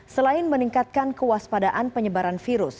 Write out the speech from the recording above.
selain meningkatkan kewaspadaan penyebaran virus